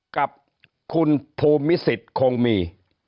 กับคุณภูมิศิษฐ์คงมี